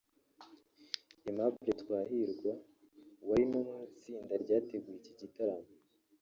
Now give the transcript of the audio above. Aimable Twahirwa (wari no mu itsinda ryateguye iki gitaramo)